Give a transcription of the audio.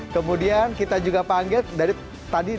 kemudian kita juga panggil dari tadi